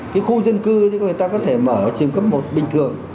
cái khu dân cư những người ta có thể mở trường cấp một bình thường